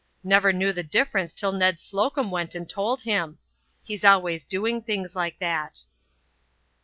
Never knew the difference till Ned Slocum went and told him. He's always doing things like that."